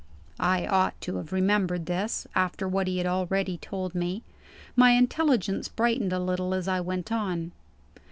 I ought to have remembered this, after what he had already told me. My intelligence brightened a little as I went on.